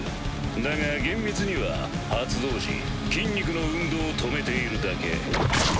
だが厳密には発動時筋肉の運動を止めているだけ。